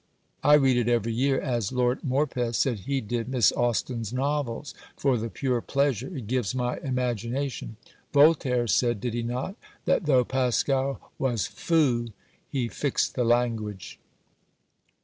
I read it every year (as Lord Morpeth said he did Miss Austen's novels) for the pure pleasure it gives my imagination. Voltaire said, did he not? that tho' Pascal was "fou," he fixed the language.